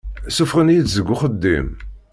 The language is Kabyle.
Suffɣen-iyi-d seg uxeddim.